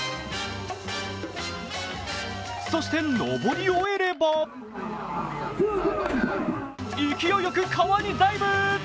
そして、登り終えれば勢いよく川にダイブ。